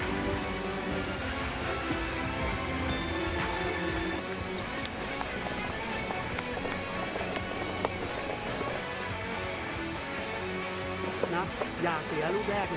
ถึงประวัติธรรมนี้ไม่มีคนจะเคลื่อนด้วย